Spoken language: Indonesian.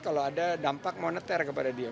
kalau ada dampak moneter kepada dia